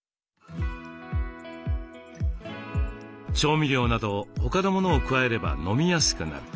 調味料など他のものを加えれば飲みやすくなる。